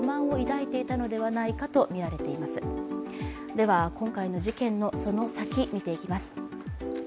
では今回の事件のそのサキ、見ていきます。